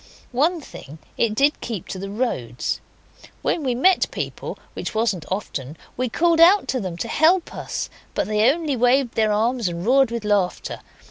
One thing, it did keep to the roads. When we met people, which wasn't often, we called out to them to help us, but they only waved their arms and roared with laughter.